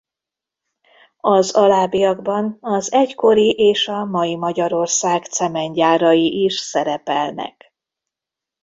Az alábbiakban az egykori és a mai Magyarország cementgyárai is szerepelnek.